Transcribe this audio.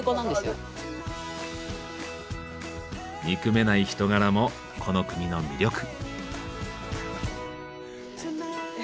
憎めない人柄もこの国の魅力。